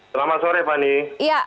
selamat sore pani